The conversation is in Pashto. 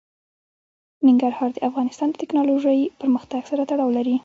ننګرهار د افغانستان د تکنالوژۍ پرمختګ سره تړاو لري.